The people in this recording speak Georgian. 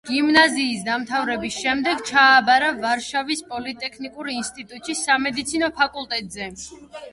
გიმნაზიის დამთავრების შემდეგ ჩააბარა ვარშავის პოლიტექნიკურ ინსტიტუტში სამედიცინო ფაკულტეტზე.